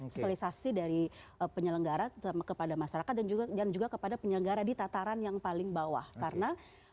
sosialisasi dari penyelenggara kepada masyarakat dan juga kepada penyelenggara di tataran yang paling bawah karena